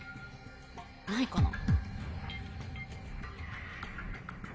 ないかな。